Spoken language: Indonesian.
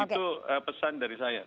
itu pesan dari saya